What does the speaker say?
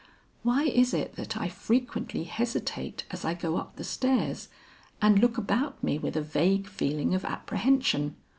"Why is it that I frequently hesitate as I go up the stairs and look about me with a vague feeling of apprehension?